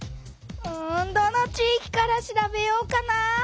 うんどの地いきから調べようかな？